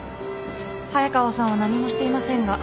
早川さんは何もしていませんが。